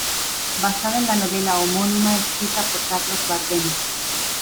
Basada en la novela homónima escrita por Carlos Bardem.